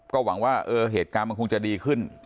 ก็หวังว่าเหตุการณ์มันคงจะดีขึ้น